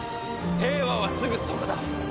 平和はすぐそこだ。